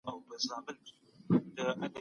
د ټایپ تصویر د چاپ وخت معلوموي.